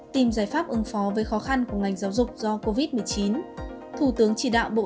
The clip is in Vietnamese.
tìm giải pháp ứng phó với khó khăn của ngành giáo dục do covid một mươi chín thủ tướng chỉ đạo bộ